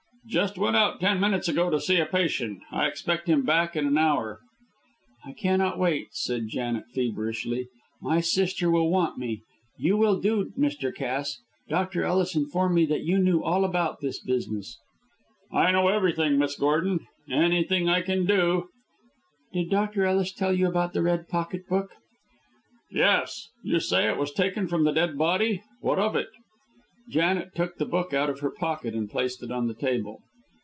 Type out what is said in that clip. "Just went out ten minutes ago to see a patient. I expect him back in an hour." "I cannot wait," said Janet, feverishly. "My sister will want me. You will do, Mr. Cass. Dr. Ellis informed me that you knew all about this business." "I know everything, Miss Gordon. Anything I can do " "Did Dr. Ellis tell you about the red pocket book?" "Yes. You say it was taken from the dead body. What of it?" Janet took the book out of her pocket and placed it on the table.